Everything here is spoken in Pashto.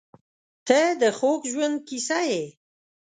• ته د خوږ ژوند کیسه یې.